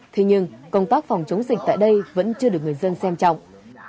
thế nhưng công tác phòng chống dịch tại đây vẫn chưa được người dân xem trọng